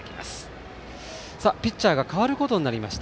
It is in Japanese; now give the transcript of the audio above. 聖光学院はピッチャーが代わることになりました。